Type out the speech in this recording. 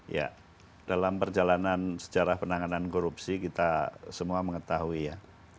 ya dalam perjalanan sejarah penanganan korupsi kita semua mengetahui ya